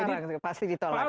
jadi pasti ditolak ya